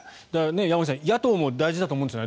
山口さん野党も大事だと思うんですね。